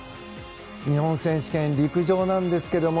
日本選手権陸上なんですけれども。